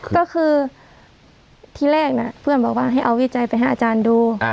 ก็คือที่แรกเพื่อนบอกว่าให้เอาวิจัยไปให้อาจารย์ดู